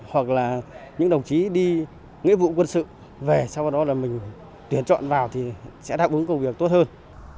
hoặc là những đồng chí đi nghĩa vụ quân sự về sau đó là mình tuyển chọn vào thì sẽ đáp ứng công việc tốt hơn